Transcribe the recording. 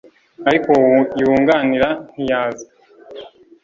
ariko uwo yunganira ntiyaza